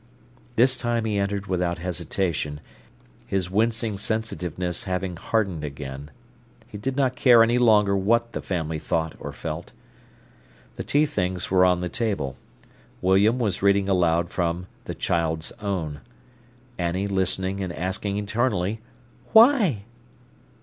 This time he entered without hesitation, his wincing sensitiveness having hardened again. He did not care any longer what the family thought or felt. The tea things were on the table. William was reading aloud from "The Child's Own", Annie listening and asking eternally "why?"